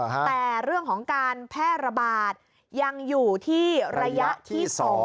แต่เรื่องของการแพร่ระบาดยังอยู่ที่ระยะที่๒